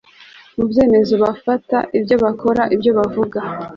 mu byemezo bafata, ibyo bakora, ibyo bavuga